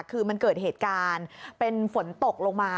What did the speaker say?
คือมันเกิดเหตุการณ์เป็นฝนตกลงมา